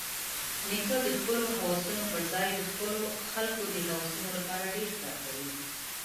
نیکه د خپلو هوسونو پرځای د خپلو خلکو د هوسونو لپاره ډېر کار کوي.